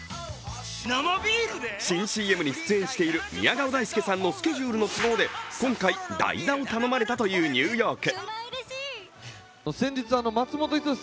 新ＣＭに出演している宮川大輔さんのスケジュールの都合で今回、代打を頼まれたというニューヨーク。